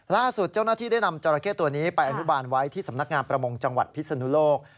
ล่าสุดเจ้าหน้าที่ได้นำจราเข้ตัวนี้ไปอนุบาลไว้ที่สำนักงานประมงจังหวัดพิศนุโลก